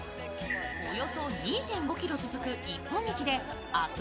およそ２．５ｋｍ続く一本道でアップ